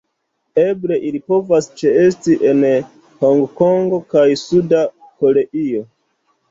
Eble ili povas ĉeesti en Hongkongo kaj Suda Koreio.